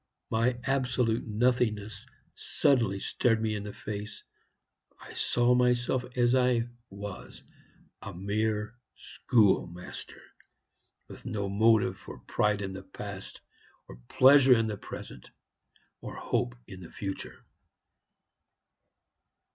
My absolute nothingness suddenly stared me in the face. I saw myself as I was a mere schoolmaster, with no motive for pride in the past, or pleasure in the present, or hope in the future."